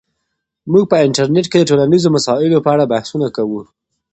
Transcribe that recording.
موږ په انټرنیټ کې د ټولنیزو مسایلو په اړه بحثونه کوو.